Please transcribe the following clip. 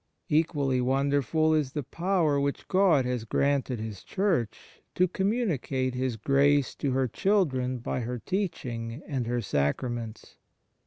Equally wonderful is the power which God has granted His Church to communicate His grace to her children by her teaching and her sacraments.